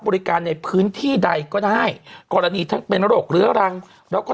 ในพื้นที่ใดก็ได้กรณีทั้งเป็นโรคเรื้อรังแล้วก็